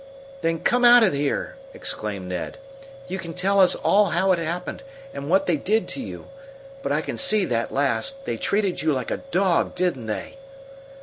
"Then come out of here!" exclaimed Ned. "You can tell us how it all happened and what they did to you. But I can see that last they treated you like a dog, didn't they?"